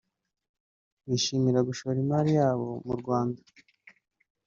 bishimira gushora imari yabo mu Rwanda